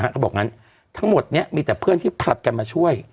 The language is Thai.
เขาบอกงั้นทั้งหมดนี้มีแต่เพื่อนที่ผลัดกันมาช่วย